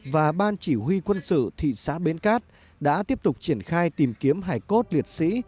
và ban chỉ huy quân sự thị xã bến cát đã tiếp tục triển khai tìm kiếm hải cốt liệt sĩ